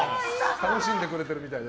楽しんでくれてるみたいで。